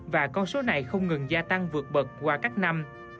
và con số này không ngừng gia tăng vượt bậc qua các năm